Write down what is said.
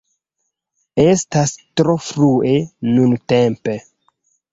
Estas tro frue nuntempe.